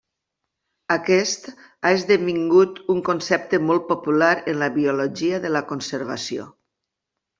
Aquest ha esdevingut un concepte molt popular en la biologia de la conservació.